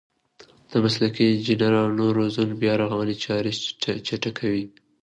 د مسلکي انجنیرانو روزنه د بیارغونې چارې چټکوي.